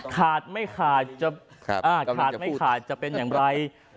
ขาดไม่ขาดจะเป็นอย่างไร